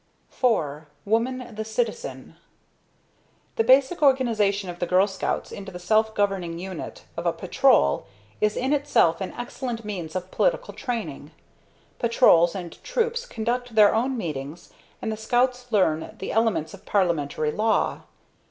IV. Woman, the citizen. The basic organization of the Girl Scouts into the self governing unit of a Patrol is in itself an excellent means of political training. Patrols and Troops conduct their own meetings and the Scouts learn the elements of parliamentary law.